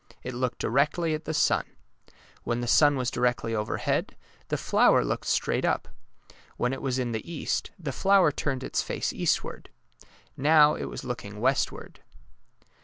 It looked directly at the sun. When the sun was directly overhead, the flower looked straight up. When it was in the east, the flower turned its face eastward. Now it was looking westward.